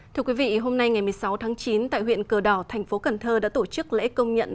thưa quý vị hôm nay ngày một mươi sáu tháng chín tại huyện cờ đỏ thành phố cần thơ đã tổ chức lễ công nhận